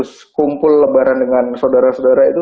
karena ketika saya harus kumpul lebaran dengan saudara saudara itu